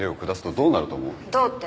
どうって？